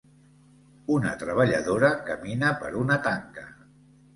Una treballadora camina per una tanca.